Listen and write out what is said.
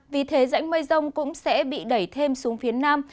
vì thế rãnh mây rông cũng sẽ bị đẩy thêm xuống phía nam